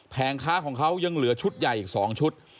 ค้าของเขายังเหลือชุดใหญ่อีก๒ชุด